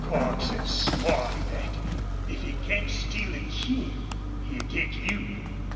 Cordts has sworn thet if he can't steal the King he'll get you."